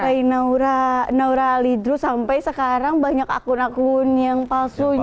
sampai naura naura alidro sampai sekarang banyak akun akun yang palsunya